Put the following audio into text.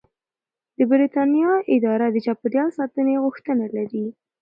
د بریتانیا اداره د چاپیریال ساتنې غوښتنه لري.